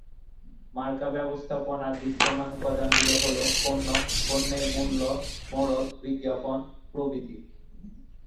মার্কা ব্যবস্থাপনার দৃশ্যমান উপাদানগুলো হলো পণ্য, পণ্যের মূল্য, মোড়ক, বিজ্ঞাপন প্রভৃতি।